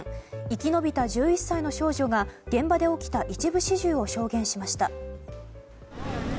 生き延びた１１歳の少女が現場で起きた一部始終を証言しました。